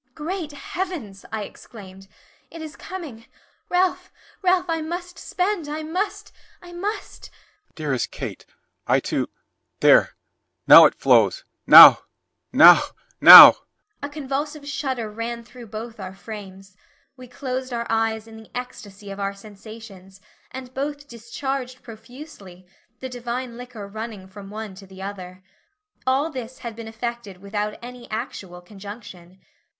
"Great heavens!" I exclaimed, "it is coming Ralph Ralph I must spend I must I must " "Dearest Kate, I too there now it flows now now now " A convulsive shudder ran through both our frames; we closed our eyes in the ecstasy of our sensations, and both discharged profusely, the divine liquor running from one to the other. All this had been effected without any actual conjunction.